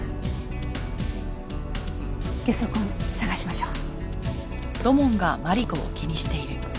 ゲソ痕捜しましょう。